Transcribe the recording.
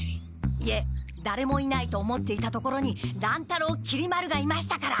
いえだれもいないと思っていたところに乱太郎きり丸がいましたから。